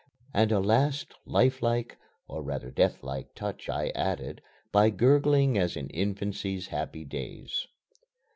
And a last lifelike (or rather deathlike) touch I added by gurgling as in infancy's happy days.